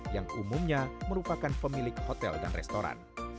yang umumnya merupakan pemilik hotel dan restoran